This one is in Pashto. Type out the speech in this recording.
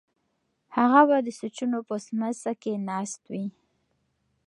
هغه به د سوچونو په سمڅه کې ناست وي.